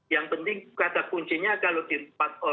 yang penting usawarannya itu kita kedepankan